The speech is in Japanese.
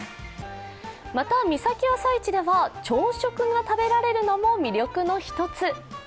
また、三崎朝市では朝食が食べられるのも魅力の一つ。